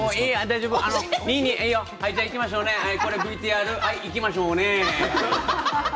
ＶＴＲいきましょうね。